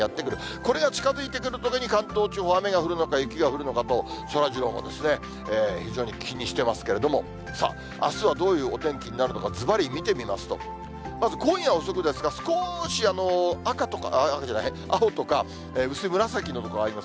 これが近づいてくるときに、関東地方は雨が降るのか、雪が降るのかと、そらジローも非常に気にしてますけども、さあ、あすはどういうお天気になるのか、ずばり見てみますと、まず今夜遅くですが、少し赤、赤じゃない、青とか、薄紫の所あります。